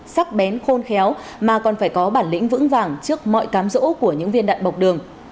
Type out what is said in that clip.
sắc bén khôn khéo mà còn phải có bản lĩnh vững vàng trước mọi cám rỗ của những viên đạn bọc đường